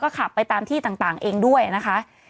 ขับไปตามที่ต่างเองด้วยนะคะ